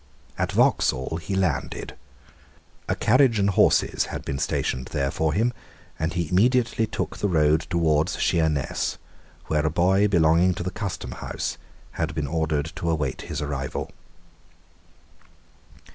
At Vauxhall he landed. A carriage and horses had been stationed there for him; and he immediately took the road towards Sheerness, where a boy belonging to the Custom House had been ordered to await his arrival.